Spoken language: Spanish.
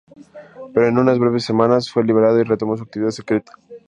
Pero en unas breves semanas, fue liberado y retomó su actividad secreta.